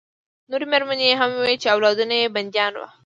نورې مېرمنې هم وې چې اولادونه یې بندیان وو